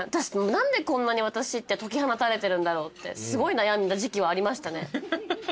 何でこんなに私って解き放たれてるんだろうってすごい悩んだ時期はありましたね。